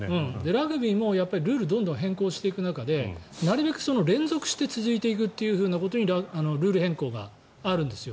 ラグビーもルールをどんどん変更していく中でなるべく連続して続いていくということにルール変更があるんですよ。